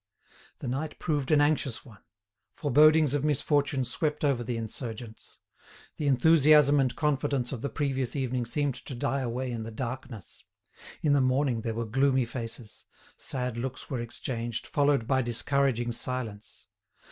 The night proved an anxious one. Forebodings of misfortune swept over the insurgents. The enthusiasm and confidence of the previous evening seemed to die away in the darkness. In the morning there were gloomy faces; sad looks were exchanged, followed by discouraging silence.